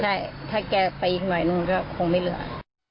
ใช่ถ้าแกไปอีกหน่อยนู่นก็คงไม่เหลือ